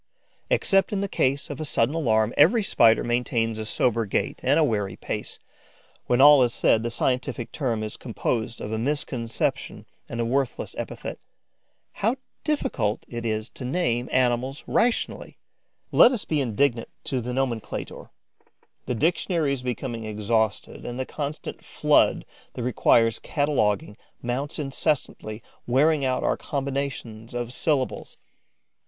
Except in the case of a sudden alarm, every Spider maintains a sober gait and a wary pace. When all is said, the scientific term is composed of a misconception and a worthless epithet. How difficult it is to name animals rationally! Let us be indulgent to the nomenclator: the dictionary is becoming exhausted and the constant flood that requires cataloguing mounts incessantly, wearing out our combinations of syllables.